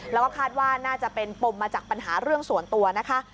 แล้วก็คาดว่าน่าจะเป็นปมมาจากปัญหาเรื่องส่วนตัวนะคะ